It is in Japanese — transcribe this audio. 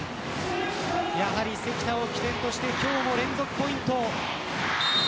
やはり、関田を起点として今日も連続ポイント。